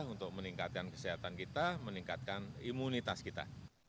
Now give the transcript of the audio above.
untuk meningkatkan kesehatan kita meningkatkan imunitas kita